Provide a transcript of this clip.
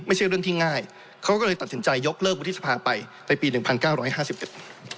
ไม่ใช่เรื่องที่ง่ายเขาก็เลยตัดสินใจยกเลิกวุฒิสภาไปในปีหนึ่งพันเก้าร้อยห้าสิบเจ็ด